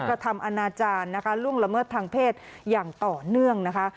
กระทำอนาจารย์นะคะล่วงละเมิดทางเพศอย่างต่อเนื่องนะคะ